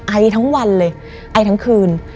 ไอทั้งวันเลยไอทั้งคืน